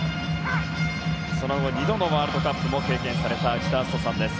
その後２度のワールドカップも経験された内田篤人さんです。